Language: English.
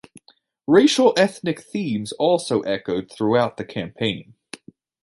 Racial-ethnic themes also echoed throughout the campaign.